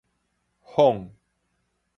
汞